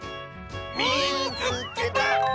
「みいつけた！」。